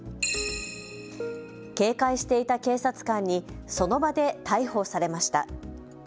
警戒していた警察官にその場で逮捕されました。